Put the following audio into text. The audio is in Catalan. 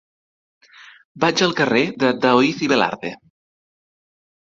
Vaig al carrer de Daoíz i Velarde.